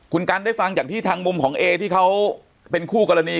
คุณกันได้ฟังจากที่ทางมุมของเอที่เขาเป็นคู่กรณี